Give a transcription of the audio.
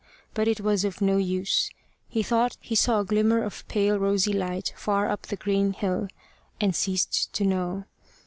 But it was of no use. He thought he saw a glimmer of pale rosy light far up the green hill, and ceased to know.